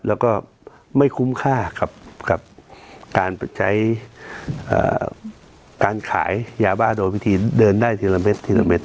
แล้วก็ไม่คุ้มค่ากับการใช้การขายยาบ้าโดยวิธีเดินได้ทีละเม็ดทีละเม็ด